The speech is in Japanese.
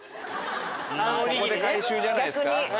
ここで回収じゃないですか。